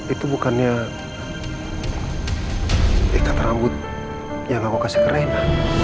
itu bukannya ikat rambut yang aku kasih ke rena